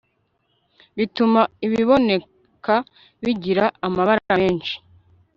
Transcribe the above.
bituma ibiboneka bigira amabara menshi